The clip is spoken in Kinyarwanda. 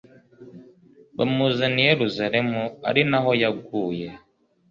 bamuzana i yeruzalemu, ari na ho yaguye